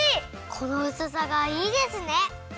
このうすさがいいですね！